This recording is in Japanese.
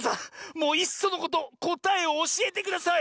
もういっそのことこたえをおしえてください！